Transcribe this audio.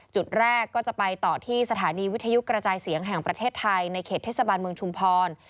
จุดแรกก็จะไปต่อที่สถานีวิทยุกระจายเสียงแห่งประเทศไทยในเขตเทศบาลเมืองชุมพร